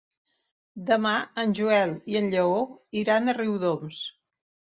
Demà en Joel i en Lleó iran a Riudoms.